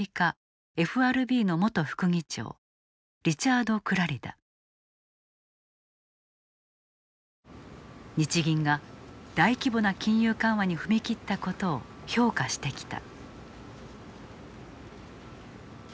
アメリカ日銀が大規模な金融緩和に踏み切ったことを評価してきた。